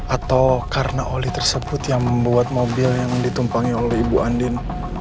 atau karena oli tersebut yang membuat mobil yang ditumpangi oleh ibu andin